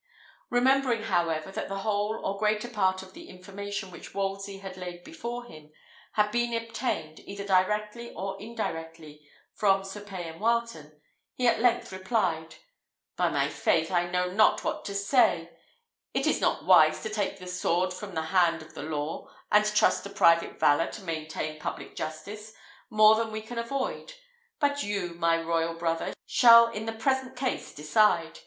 Remembering, however, that the whole or greater part of the information which Wolsey had laid before him had been obtained, either directly or indirectly, from Sir Payan Wileton, he at length replied, "By my faith, I know not what to say: it is not wise to take the sword from the hand of the law, and trust to private valour to maintain public justice, more than we can avoid. But you, my royal brother, shall in the present case decide.